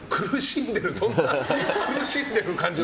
苦しんでる感じの。